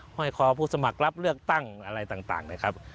ห้อยคอผู้สมัครรับเลือกตั้งอะไรต่างนะครับ